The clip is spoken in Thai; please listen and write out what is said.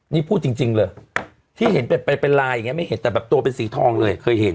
นี่พูดจริงเลยที่เห็นเป็นลายอย่างนี้ไม่เห็นแต่แบบตัวเป็นสีทองเลยเคยเห็น